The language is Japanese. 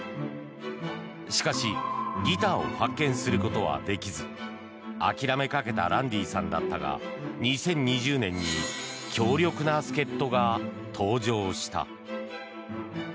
しかしギターを発見することはできず諦めかけたランディさんだったが２０２０年に強力な助っ人が登場した。